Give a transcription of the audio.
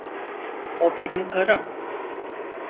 O benim karım.